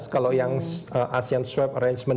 kalau yang asean swab arrangement